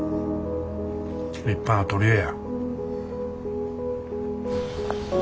立派な取り柄や。